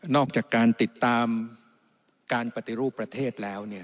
อกจากการติดตามการปฏิรูปประเทศแล้ว